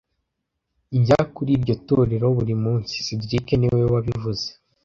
Njya kuri iryo torero buri munsi cedric niwe wabivuze